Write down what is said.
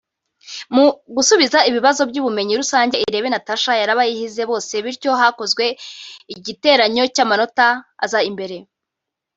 Mu gusubiza ibibazo by’ubumenyi rusange Irebe Natasha yarabahize bose bityo hakozwe igiteranyo cy’amanota aza imbere